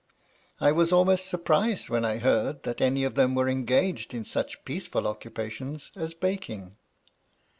I was almost surprised when I heard that any of them were engaged in such peaceful occupations as baking.